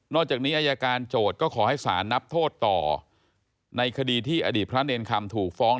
จากนี้อายการโจทย์ก็ขอให้สารนับโทษต่อในคดีที่อดีตพระเนรคำถูกฟ้อง